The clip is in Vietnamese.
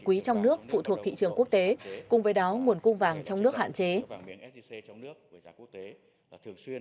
quý trong nước phụ thuộc thị trường quốc tế cùng với đó nguồn cung vàng trong nước hạn chế